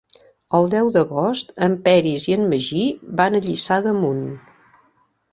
El deu d'agost en Peris i en Magí van a Lliçà d'Amunt.